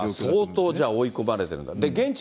相当じゃあ、追い込まれてるんだ。